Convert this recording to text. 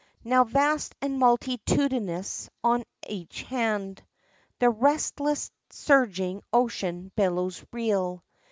Now vast and multitudinous on each hand The restless surging ocean billows reel.